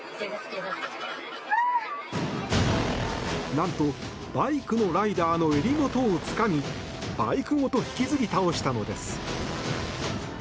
なんとバイクのライダーの襟元をつかみバイクごと引きずり倒したのです。